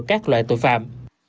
các loại tội phạm